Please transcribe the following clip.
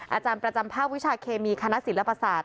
อาจารย์ประจำภาควิชาเคมีคณะศิลปศาสตร์